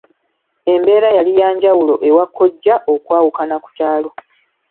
Embeera yali ya njawulo ewa kkojja okwawukana ku kyalo.